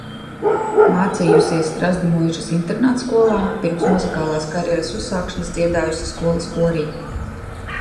Mācījusies Strazdumuižas internātskolā, pirms muzikālās karjeras uzsākšanas dziedājusi skolas korī.